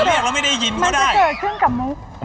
ก็ทำได้ท่าไม่ได้ยินก็ได้มันจะเกิดมันจะเกิดขึ้นกับมุ๊ค